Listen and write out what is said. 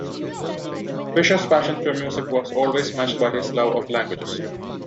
Fischer's passion for music was always matched by his love of languages.